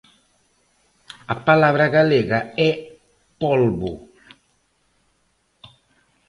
A palabra galega é polbo.